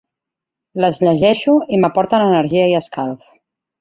Les llegeixo i m'aporten energia i escalf.